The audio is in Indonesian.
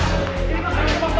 dan yang penting teman teman